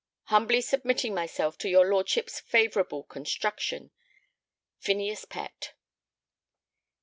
Humbly submitting myself to your Lordships' favourable construction. PHINEAS PETT.